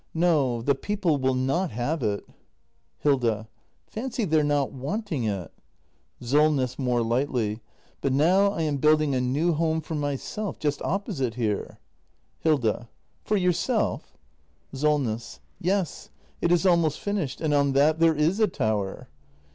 ] No, the people will not have it. Hilda. Fancy their not wanting it! Solness. [More lightly.] But now I am building a new home for myself — just opposite here. Hilda. For yourself ? Solness. Yes. It is almost finished. And on that there is a tower.